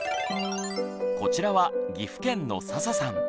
こちらは岐阜県の佐々さん。